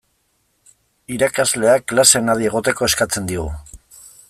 Irakasleak klasean adi egoteko eskatzen digu.